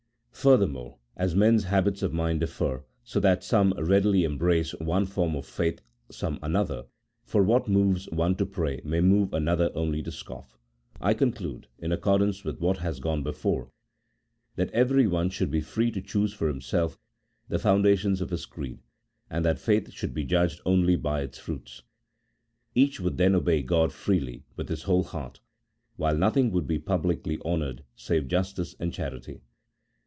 Furthermore, as men's habits of mind differ, so that some more readily embrace one form of faith, some another, for what moves one to pray may move another only to scoff, I conclude, in accordance with what has gone before, that everyone should be free to choose for himself the founda tions of his creed, and that faith should be judged only by its fruits ; each would then obey G od freely with his whole heart, while nothing would be publicly honoured save justice and charity.